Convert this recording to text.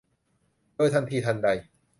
โดยทันทีทันใด